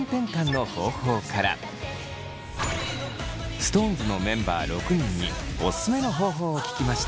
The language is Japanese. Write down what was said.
ＳｉｘＴＯＮＥＳのメンバー６人にオススメの方法を聞きました。